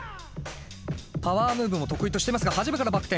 パワームーブも得意としてますが初めからバク転。